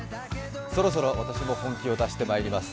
そろそろ私も本気を出してまいります。